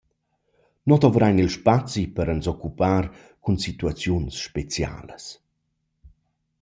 «Nus dovrain il spazi per ans occupar cun situaziuns specialas.